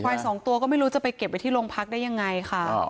สองตัวก็ไม่รู้จะไปเก็บไว้ที่โรงพักได้ยังไงค่ะ